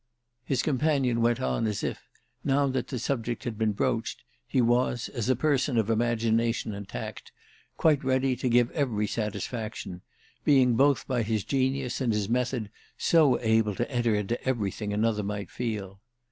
His companion went on as if, now that the subject had been broached, he was, as a person of imagination and tact, quite ready to give every satisfaction—being both by his genius and his method so able to enter into everything another might feel.